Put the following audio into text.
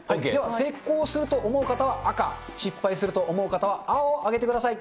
成功すると思う方は赤、失敗すると思う方は青を上げてください。